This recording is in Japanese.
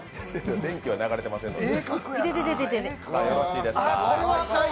電気は流れてませんので。